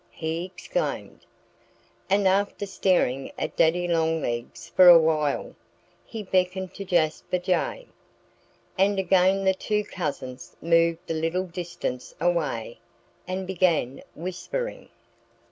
he exclaimed. And after staring at Daddy Longlegs for a while he beckoned to Jasper Jay. And again the two cousins moved a little distance away and began whispering.